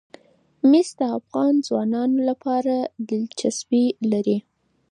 مس د افغان ځوانانو لپاره دلچسپي لري.